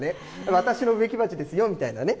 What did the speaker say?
私の植木鉢ですよみたいなね。